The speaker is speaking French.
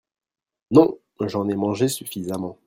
Non, j'en ai mangé suffisamment.